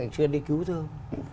chuyên đi cứu thương